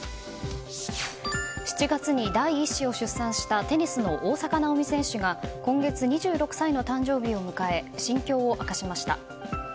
７月に第１子を出産したテニスの大坂なおみ選手が今月２６歳の誕生日を迎え心境を明かしました。